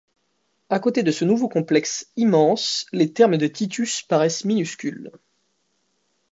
À côté de ce nouveau complexe, immense, les thermes de Titus paraissent minuscules.